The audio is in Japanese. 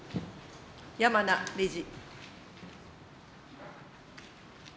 山名理事。